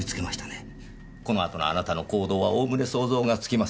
このあとのあなたの行動はおおむね想像がつきます。